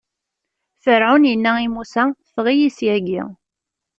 Ferɛun inna i Musa: Ffeɣ-iyi syagi!